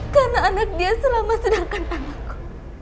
karena anak dia selama sedang kenal aku